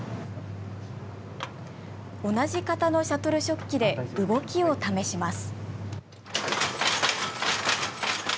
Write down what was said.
同じ型のシャトル織機で動きを試します。